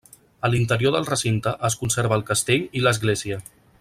A l'interior del recinte es conserva el castell i l'església.